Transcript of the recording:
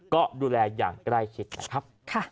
ก็ดูแลอย่างใกล้ชิดนะครับ